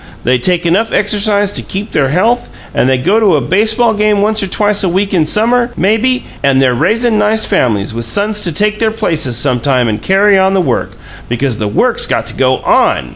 They take enough exercise to keep their health; and they go to a baseball game once or twice a week in summer, maybe, and they're raisin' nice families, with sons to take their places sometime and carry on the work because the work's got to go ON!